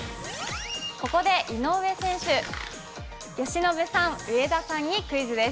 ここで井上選手、由伸さん、上田さんにクイズです。